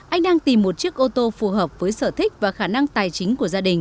anh đang tìm một chiếc ô tô phù hợp với sở thích và khả năng tài chính của gia đình